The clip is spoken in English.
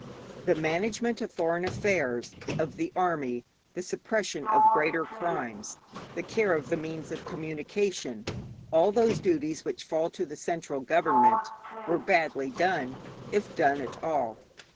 The management of foreign affairs, of the army, the suppression of greater crimes, the care of the means of communication, all those duties which fall to the central government, were badly done, if done at all.